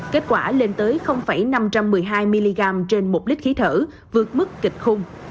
kết quả lên tới năm trăm một mươi hai mg trên một lít khí thở vượt mức kịch khung